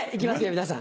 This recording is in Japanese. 皆さん。